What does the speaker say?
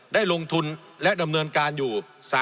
ได้ลงทุนและดำเนินการอยู่